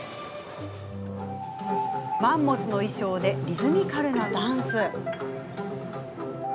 マンモスの衣装でリズミカルなダンス。